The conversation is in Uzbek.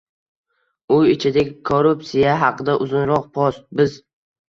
Uy ichidagi korruptsiya haqida uzunroq post, biz